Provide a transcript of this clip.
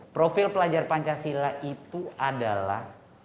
profil pelajar pancasila itu adalah